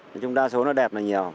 nói chung đa số nó đẹp là nhiều